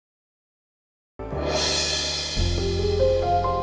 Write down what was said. aku gak mau berpisah sama kamu dan juga anak kita